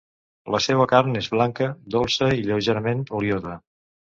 La seua carn és blanca, dolça i lleugerament oliosa.